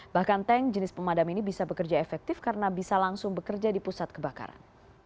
bahkan tank jenis pemadam ini bisa bekerja efektif karena bisa langsung bekerja di pusat kebakaran